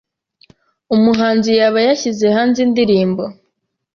umuhanzi yaba yashyize hanze indirimbo